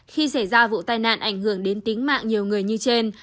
khi xảy ra vụ tai nạn ảnh hưởng đến tính mạng nhiều người như trên